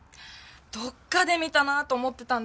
どっかで見たなぁと思ってたんだよね。